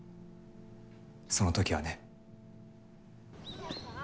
その時はね。